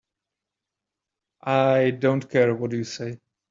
I don't care what you say.